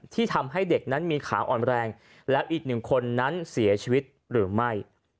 ที่ทำให้เด็กนั้นมีขาอ่อนแรงแล้วอีกหนึ่งคนนั้นเสียชีวิตหรือไม่